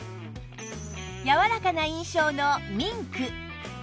やわらかな印象のミンク